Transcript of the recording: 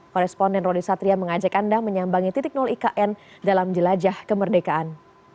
koresponden roni satria mengajak anda menyambangi titik nol ikn dalam jelajah kemerdekaan